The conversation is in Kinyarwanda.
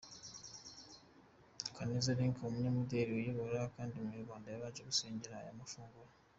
Kaneza Linka umunyamideri uyoboye abandi mu Rwanda yabanje gusengera aya mafunguro.